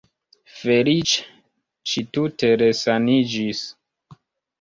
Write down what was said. Feliĉe ŝi tute resaniĝis.